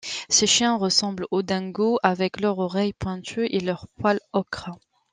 Ces chiens ressemblent aux dingos, avec leurs oreilles pointues et leur poil ocre.